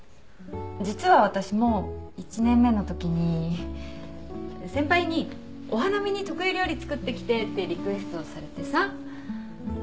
実は私も１年目のときに先輩に「お花見に得意料理作ってきて」ってリクエストされてさ。